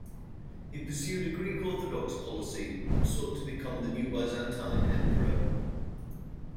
He pursued a Greek-Orthodox policy and sought to become the new Byzantine Emperor.